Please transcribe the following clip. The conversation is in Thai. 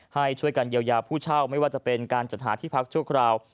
ให้ช่วยกันเยียวยาผู้เช่าไม่ว่าจะเป็นการจัดหาที่พักชั่วคราว